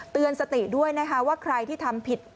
เตือนสติด้วยนะคะว่าใครที่ทำผิด